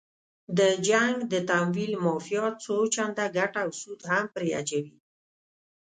د جنګ د تمویل مافیا څو چنده ګټه او سود هم پرې اچوي.